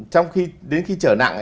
trong khi đến khi trở nặng